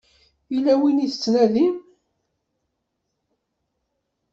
Yella win i tettnadim?